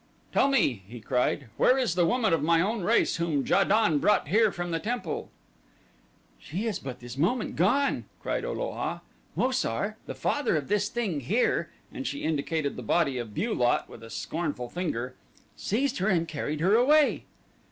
"Tell me," he cried, "where is the woman of my own race whom Ja don brought here from the temple?" "She is but this moment gone," cried O lo a. "Mo sar, the father of this thing here," and she indicated the body of Bu lot with a scornful finger, "seized her and carried her away."